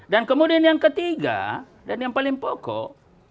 dan kemudian yang ketiga dan yang paling pokok